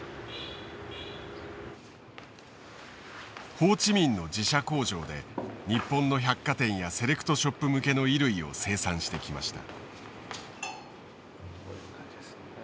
ホーチミンの自社工場で日本の百貨店やセレクトショップ向けの衣類を生産してきました。